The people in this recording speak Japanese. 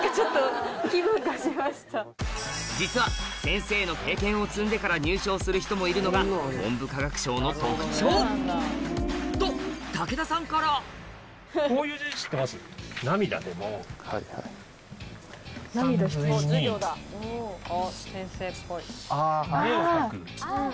実は先生の経験を積んでから入省する人もいるのが文部科学省の特徴と武田さんからさんずいに「目」を書く。